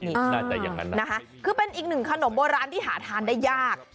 นี่เป็นอีกหนึ่งขนมโบราณที่หาทานได้ยาก